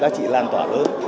giá trị lan tỏa lớn